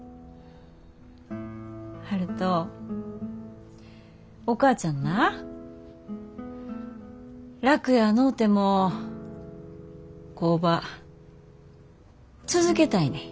悠人お母ちゃんな楽やのうても工場続けたいねん。